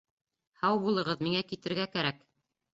Һау булығыҙ, миңә китергә кәрәк